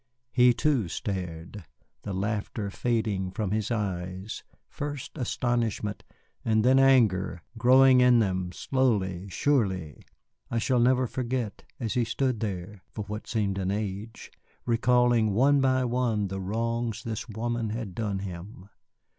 He, too, stared, the laughter fading from his eyes, first astonishment, and then anger, growing in them, slowly, surely. I shall never forget him as he stood there (for what seemed an age) recalling one by one the wrongs this woman had done him.